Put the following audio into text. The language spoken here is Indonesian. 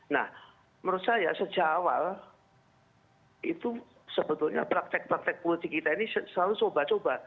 nah menurut saya sejak awal itu sebetulnya praktek praktek politik kita ini selalu coba coba